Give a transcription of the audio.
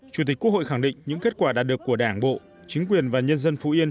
chủ tịch quốc hội khẳng định những kết quả đạt được của đảng bộ chính quyền và nhân dân phú yên